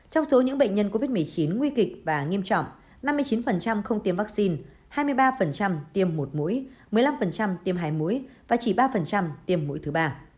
trong số những bệnh nhân covid một mươi chín nguy kịch và nghiêm trọng năm mươi chín không tiêm vaccine hai mươi ba tiêm một mũi một mươi năm tiêm hi mũi và chỉ ba tiêm mũi thứ ba